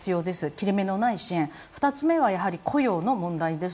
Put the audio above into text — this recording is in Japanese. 切れ目のない支援、２つ目は雇用の問題です。